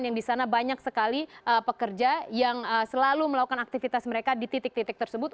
yang di sana banyak sekali pekerja yang selalu melakukan aktivitas mereka di titik titik tersebut